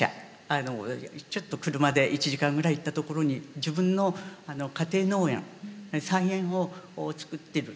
あのちょっと車で１時間ぐらい行ったところに自分の家庭農園菜園をつくってる。